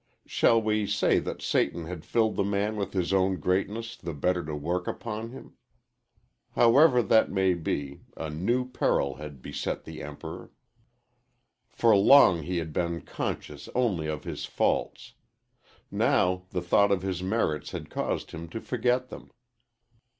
Shall we say that Satan had filled the man with his own greatness the better to work upon him? However that may be, a new peril had beset the Emperor. For long he had been conscious only of his faults. Now the thought of his merits had caused him to forget them.